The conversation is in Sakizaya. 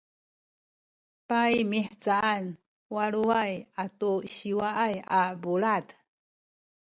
paymihcaan i waluay atu siwaay a bulad